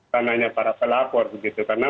tanahnya para pelapor begitu karena